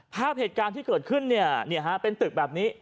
ภาพเหตุการณ์ที่เกิดขึ้นเป็นตึกแบบนี้